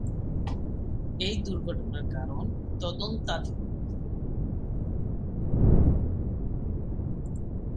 এই দুর্ঘটনার কারণ তদন্তাধীনে।